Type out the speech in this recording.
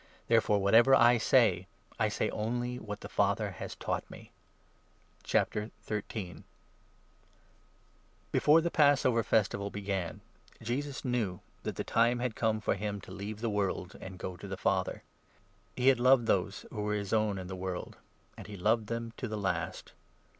Therefore, whatever I say, I say only what the Father has taught me." Jesus washes Before the Passover Festival began, Jesus knew i j the Disciples' that the time had come for him to leave the world Feet. an(j g0 t0 the Father. He had loved those who were his own in the world, and he loved them to the last.